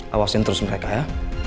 awasin terus mereka ya